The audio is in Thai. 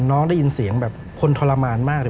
ได้ยินเสียงแบบคนทรมานมากเลย